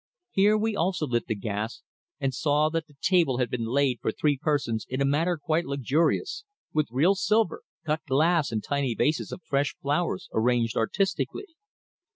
Here we also lit the gas and saw that the table had been laid for three persons in a manner quite luxurious, with real silver, cut glass and tiny vases of fresh flowers arranged artistically.